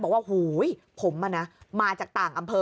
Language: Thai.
บอกว่าหูยผมอ่ะนะมาจากต่างอำเภอ